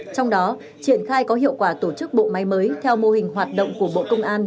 trong đó triển khai có hiệu quả tổ chức bộ máy mới theo mô hình hoạt động của bộ công an